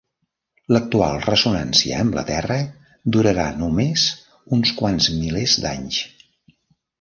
L'actual ressonància amb la Terra durarà només uns quants milers d'anys.